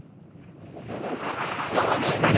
今日はね